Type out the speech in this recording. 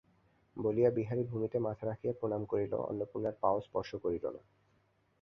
বলিয়া বিহারী ভূমিতে মাথা রাখিয়া প্রণাম করিল, অন্নপূর্ণার পাও স্পর্শ করিল না।